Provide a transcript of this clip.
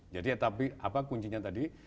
jadi tapi apa kuncinya tadi